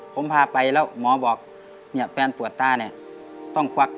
ผมพาไปแล้วหมอบอกเนี่ยแฟนปวดตาเนี่ยต้องควัก